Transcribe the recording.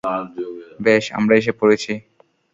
বেশ, আমরা এসে পড়েছি।